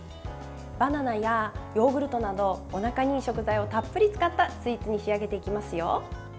バナナやヨーグルトなどおなかにいい食材をたっぷり使ったスイーツに仕上げていきますよ。